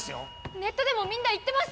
ネットでもみんな言ってます